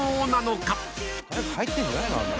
誰か入ってるんじゃないの？